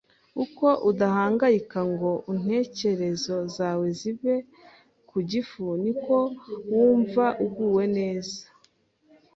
Uko udahangayika ngo intekerezo zawe zibe ku gifu, niko wumva uguwe neza.